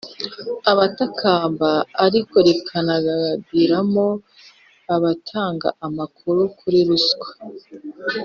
Abatakamba ariko rikanagiramo abatanga amakuru kuri ruswa